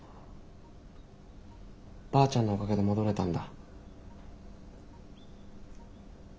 ばあちゃんのおかげで戻れたんだ。